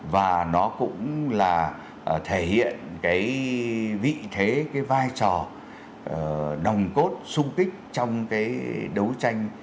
và nó cũng là thể hiện vị thế vai trò nồng cốt sung kích trong đấu tranh